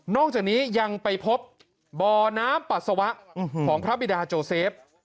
จากนี้ยังไปพบบ่อน้ำปัสสาวะของพระบิดาโจเซฟ